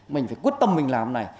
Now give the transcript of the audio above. mình phải quyết tâm mình làm này